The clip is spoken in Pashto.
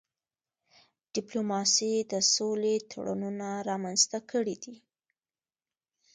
ډيپلوماسي د سولې تړونونه رامنځته کړي دي.